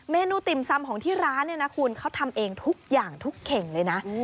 เมนูติ่มซำของที่ร้านเนี่ยนะคุณเขาทำเองทุกอย่างทุกเข่งเลยนะ